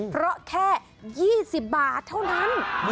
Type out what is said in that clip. เพราะแค่๒๐บาทเท่านั้น